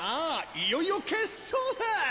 いよいよ決勝戦！